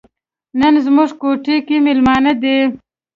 نن زموږ کوټه کې میلمانه دي.